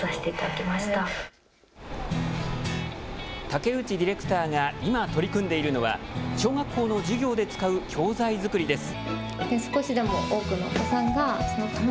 竹内ディレクターが今、取り組んでいるのは小学校の授業で使う教材作りです。